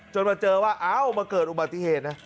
มาเจอว่าเอ้ามาเกิดอุบัติเหตุนะ